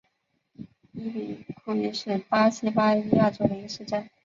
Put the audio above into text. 伊比库伊是巴西巴伊亚州的一个市镇。